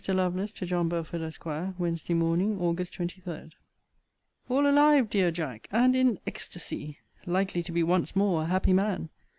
LOVELACE, TO JOHN BELFORD, ESQ. WEDNESDAY MORN. AUG. 23. All alive, dear Jack, and in ecstacy! Likely to be once more a happy man!